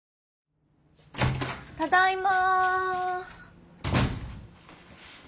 ただいま。